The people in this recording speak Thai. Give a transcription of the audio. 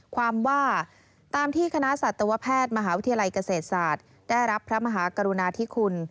ความว่าตามที่คณะสัตวแพทย์มหาวิทยาลัยเกษตรศาสตร์ได้รับพระมหากรุณาธิคุณ